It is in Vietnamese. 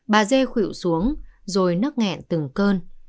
bà dê khủyệu xuống rồi nấc nghẹn từng cơn